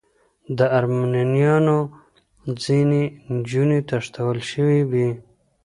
د ارمنیانو ځینې نجونې تښتول شوې وې.